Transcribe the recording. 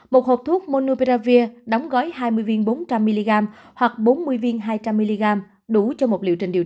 một hộp thuốc monupravir đóng gói hai mươi viên bốn trăm linh mg hoặc bốn mươi viên hai trăm linh mg đủ cho một liệu trình điều trị